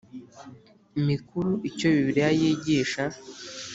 mikuru Icyo Bibiliya yigisha